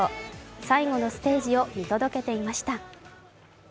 最後のステージを見届けていました。